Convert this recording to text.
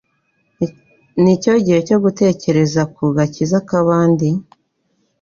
Nicyo gihe cyo gutekereza ku gakiza k'abandi?